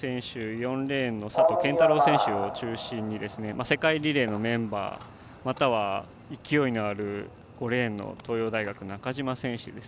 ４レーンの佐藤拳太郎選手を中心に世界リレーのメンバーまたは勢いのある５レーンの東洋大学の中島選手